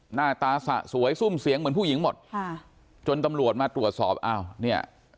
หน้าตาสะสวยซุ่มเสียงเหมือนผู้หญิงหมดค่ะจนตำรวจมาตรวจสอบอ้าวเนี่ย